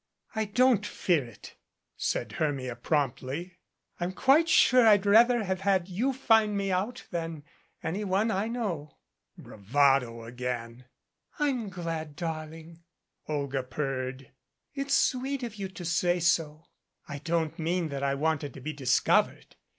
"I don't fear it," said Hermia promptly. "I'm quite sure I'd rather have had you find me out than any one I know." Bravado again. "I'm glad, darling," Olga purred. "It's sweet of you to say so." "I don't mean that I wanted to be discovered.